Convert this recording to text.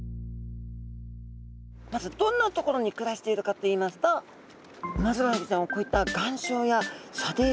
まずどんな所に暮らしているかといいますとウマヅラハギちゃんはこういった岩礁や砂泥底に暮らしてるんですね。